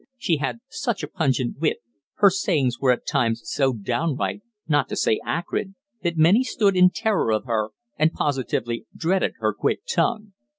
She had such a pungent wit, her sayings were at times so downright not to say acrid that many stood in terror of her and positively dreaded her quick tongue.